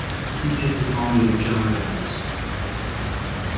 He is the founder of Java Records.